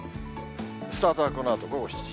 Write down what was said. スタートはこのあと午後７時。